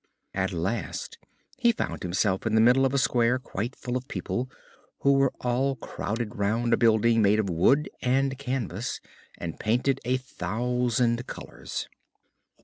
At last he found himself in the middle of a square quite full of people, who were all crowded round a building made of wood and canvas, and painted a thousand colors.